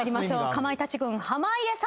かまいたち軍濱家さん